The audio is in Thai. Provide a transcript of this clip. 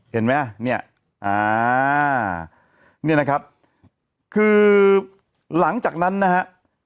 เห็นไหมเนี่ยอ่านี่นะครับคือหลังจากนั้นนะฮะ